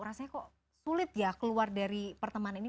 rasanya kok sulit ya keluar dari pertemuan ini